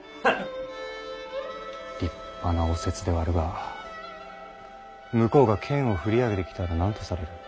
立派な御説ではあるが向こうが剣を振り上げてきたら何とされる？